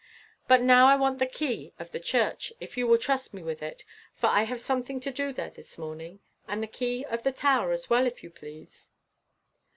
"But now I want the key of the church, if you will trust me with it, for I have something to do there this morning; and the key of the tower as well, if you please."